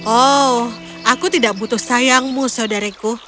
oh aku tidak butuh sayangmu saudariku